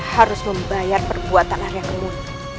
harus membayar perbuatan arya gembong